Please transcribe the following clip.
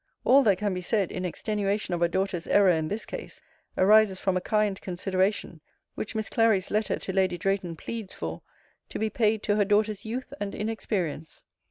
All that can be said, in extenuation of a daughter's error in this case, arises from a kind consideration, which Miss Clary's letter to Lady Drayton pleads for, to be paid to her daughter's youth and inexperience.